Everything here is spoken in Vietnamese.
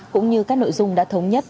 cũng như các nội dung đã thống nhất